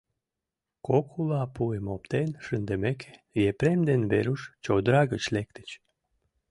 Кок ула пуым оптен шындымеке, Епрем ден Веруш чодыра гыч лектыч.